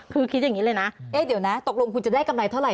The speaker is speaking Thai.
คือคิดอย่างนี้เลยนะเอ๊ะเดี๋ยวนะตกลงคุณจะได้กำไรเท่าไ